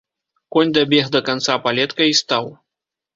Конь дабег да канца палетка і стаў.